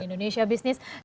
di cnn indonesia business